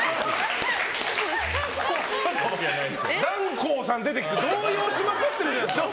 断行さん出てきて動揺しまくってるじゃないですか。